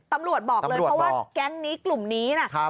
ตำรวจบอกเลยเพราะว่ากลุ่มนี้นะ